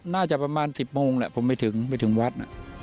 น่าจะประมาณ๑๐โมงแหละผมไปถึงไปถึงวัด